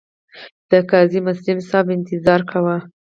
د قاضي مسلم صاحب انتظار کاوه.